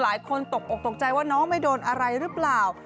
ตกอกตกใจว่าน้องไม่โดนอะไรหรือเปล่า